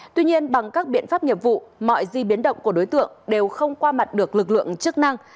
tuy nhiên bằng các biện pháp nghiệp vụ mọi di biến động của đối tượng đều không qua mặt được lực lượng chức năng